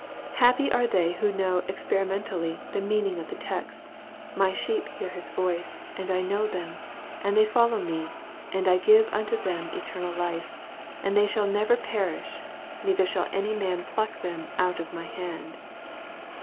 Happy are they who know experimentally the meaning of the text, " my sheep hear my voice, and I know them, and they follow me : and I give unto them eternal life ; and they shall never perish, neither shall any man pluck them out of my hand."